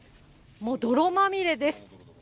もう泥まみれです。